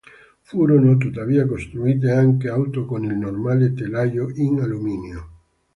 Furono tuttavia costruite anche auto con il normale telaio in alluminio.